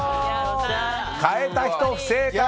変えた人、不正解！